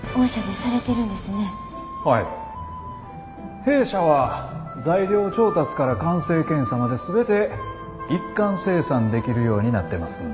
弊社は材料調達から完成検査まで全て一貫生産できるようになってますんで。